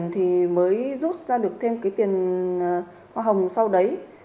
thì mới rút ra được thêm cái tiền hoa hồng sau đấy